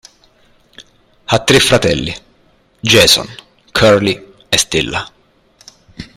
Ha tre fratelli, Jason, Carly e Stella.